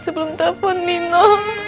sebelum telfon nino